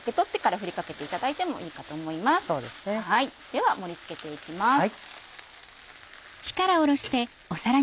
では盛り付けて行きます。